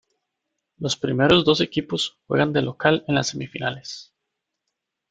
Los primeros dos equipos juegan de local en las semifinales.